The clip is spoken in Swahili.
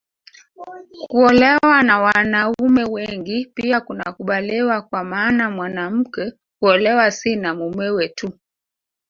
Kuolewa na wanaume wengi pia kunakubaliwa kwa maana mwanamke huolewa si na mumewe tu